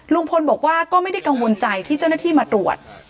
ลุงพลบอกว่าก็ไม่ได้กังวลใจที่เจ้าหน้าที่มาตรวจ